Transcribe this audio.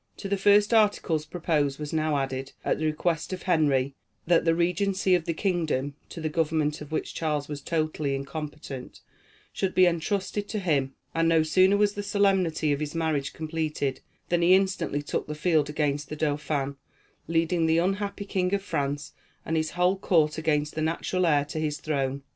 To the first articles proposed was now added, at the request of Henry, that the Regency of the kingdom, to the government of which Charles was totally incompetent, should be entrusted to him, and no sooner was the solemnity of his marriage completed, than he instantly took the field against the Dauphin, leading the unhappy King of France and his whole court against the natural heir to his throne.